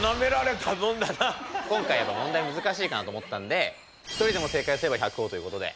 今回やっぱ問題が難しいかなと思ったんで１人でも正解すれば１００ほぉということで。